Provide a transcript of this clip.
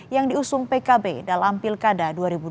yang diusung pkb dalam pilkada dua ribu dua puluh